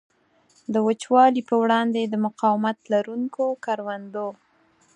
د وچوالي په وړاندې د مقاومت لرونکو کروندو.